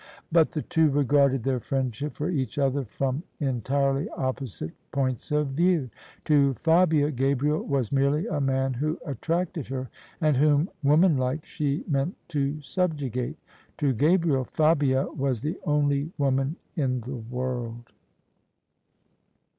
But the two regarded their friendship for each other from en tirely opposite points of view. To Fabia, Gabriel was merely a man who attracted her, and whom, womanlike, she meant to subjugate: to Gabriel, Fabia was die only woman in the world.